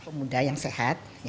pemuda yang sehat